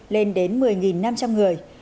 lên đến một mươi năm trăm linh người